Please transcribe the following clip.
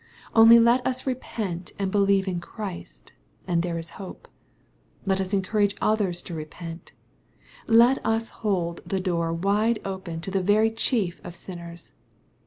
Only let us repent and believe in Christ, and there is hope. Let ns encourage others to repent. Let us hold the door wide open to the very chief of sinners.